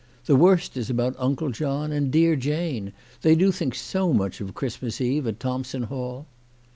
The worst is about Uncle John and dear Jane. They do think so much of Christmas Eve at Thompson Hall